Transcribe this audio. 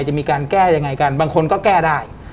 จะมีการแก้ยังไงกันบางคนก็แก้ได้